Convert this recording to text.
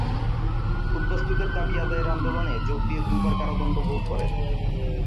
উদ্বাস্তুদের দাবি আদায়ের আন্দোলনে যোগ দিয়ে দুবার কারাদণ্ড ভোগ করেন।